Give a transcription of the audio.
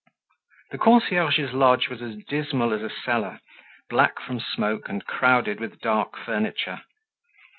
The concierge's lodge was as dismal as a cellar, black from smoke and crowded with dark furniture.